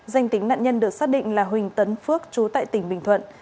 danh tính nạn nhân được xác định là huỳnh tấn phước chú tại tỉnh bình thuận